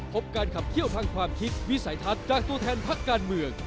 พบการขับเคี่ยวทางความคิดวิสัยทัศน์จากตัวแทนพักการเมือง